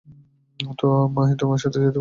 তো, আমায় তোমার সাথে যেতে বলছো।